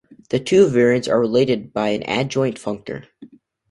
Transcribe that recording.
The two variants are related by an adjoint functor.